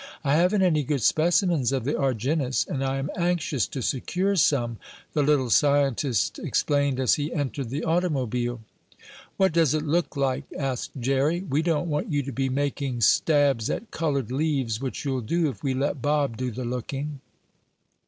I haven't any good specimens of the Argynnis, and I am anxious to secure some," the little scientist explained as he entered the automobile. "What does it look like?" asked Jerry. "We don't want you to be making stabs at colored leaves, which you'll do if we let Bob do the looking."